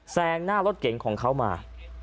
งหน้ารถเก่งของเขามา